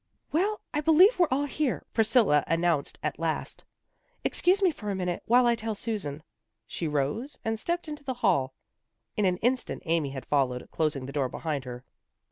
" Well, I believe we're all here," Priscilla announced at last. " Excuse me for a minute, while I tell Susan." She rose and stepped into the hall. In an instant Amy had followed, closing the door behind her.